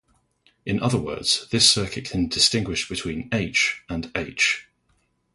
In other words, this circuit can distinguish between "H" and "H".